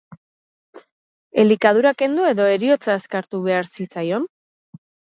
Elikadura kendu edo heriotza azkartu behar zitzaion?